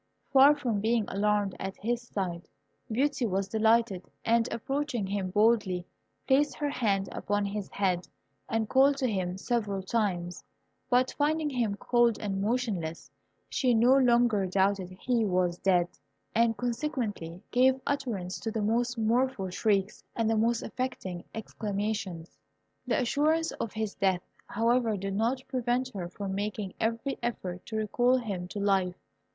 Far from being alarmed at his sight, Beauty was delighted, and, approaching him boldly, placed her hand upon his head, and called to him several times; but finding him cold and motionless, she no longer doubted he was dead, and consequently gave utterance to the most mournful shrieks and the most affecting exclamations. The assurance of his death, however, did not prevent her from making every effort to recall him to life.